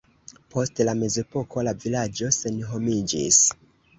Post la mezepoko la vilaĝo senhomiĝis.